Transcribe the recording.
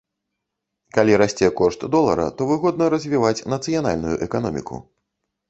Калі расце кошт долара, то выгодна развіваць нацыянальную эканоміку.